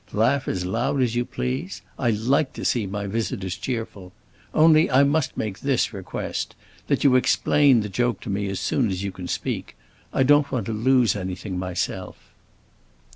Laugh as loud as you please; I like to see my visitors cheerful. Only, I must make this request: that you explain the joke to me as soon as you can speak. I don't want to lose anything, myself."